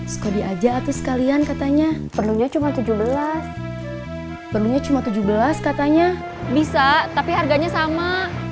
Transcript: sekolah aja atau sekalian katanya perlunya cuma tujuh belas perlunya cuma tujuh belas katanya bisa tapi harganya sama